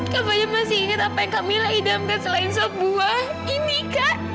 kamu masih ingat apa yang kamila idamkan selain sebuah ini kak